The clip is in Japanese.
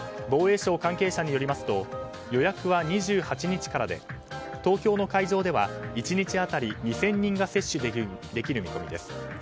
防衛省関係者によりますと予約は２８日からで東京の会場では１日当たり２０００人が接種できる見込みです。